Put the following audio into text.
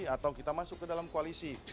atau kita masuk ke dalam koalisi